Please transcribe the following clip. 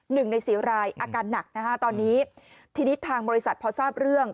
หนึ่งในสี่รายอาการหนักนะฮะตอนนี้ทีนี้ทางบริษัทพอทราบเรื่อง